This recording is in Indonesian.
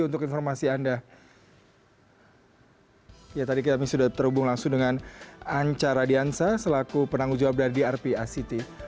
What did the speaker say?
dan register dari unsr sebagai pengungsi